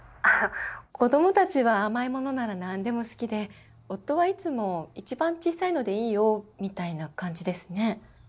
子供たちは甘いものなら何でも好きで夫はいつも「一番小さいのでいいよ」みたいな感じですね。